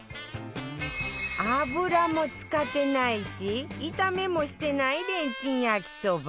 油も使ってないし炒めもしてないレンチン焼きそば